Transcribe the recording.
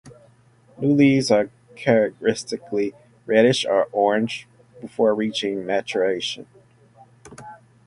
New leaves are characteristically reddish or orange before reaching maturation.